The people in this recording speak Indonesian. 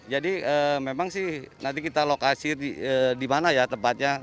jadi memang sih nanti kita lokasi di mana ya tempatnya